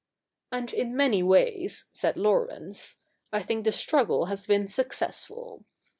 ' And in many ways,' said Laurence, ' I think the struggle has been successful.